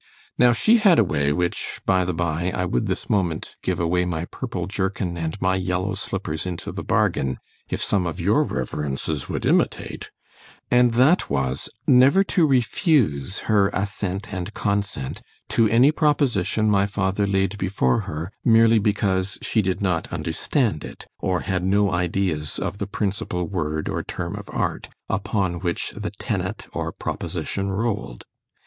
Now she had a way, which, by the bye, I would this moment give away my purple jerkin, and my yellow slippers into the bargain, if some of your reverences would imitate—and that was, never to refuse her assent and consent to any proposition my father laid before her, merely because she did not understand it, or had no ideas of the principal word or term of art, upon which the tenet or proposition rolled.